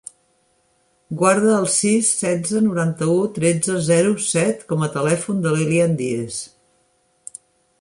Guarda el sis, setze, noranta-u, tretze, zero, set com a telèfon de l'Elian Diez.